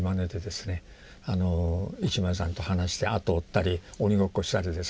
一枚さんと話して後を追ったり鬼ごっこしたりですね。